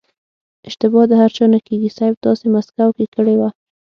اشتبا د هر چا نه کېږي صيب تاسې مسکو کې کړې وه.